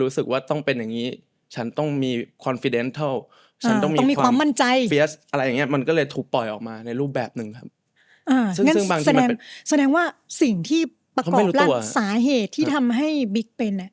ซึ่งแสดงว่าสิ่งที่ประกอบแล้วสาเหตุที่ทำให้บิ๊กเป็นอ่ะ